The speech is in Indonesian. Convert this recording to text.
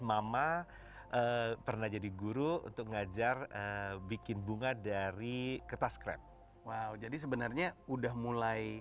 mama pernah jadi guru untuk ngajar bikin bunga dari kertas krep wow jadi sebenarnya udah mulai